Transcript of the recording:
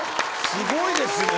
すごいですね。